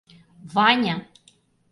Ваня!